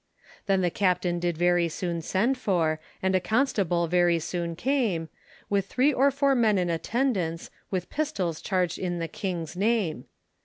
Then the captain did very soon send for, And a constable very soon came; With three or four men in attendance, With pistols charged in the King's name.